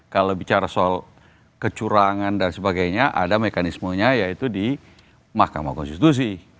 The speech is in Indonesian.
kalau bicara soal kecurangan dan sebagainya ada mekanismenya yaitu di mahkamah konstitusi